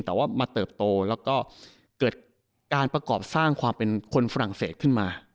แต่ว่ามาเติบโตแล้วก็เกิดการประกอบสร้างความเป็นคนฝรั่งเศสขึ้นมา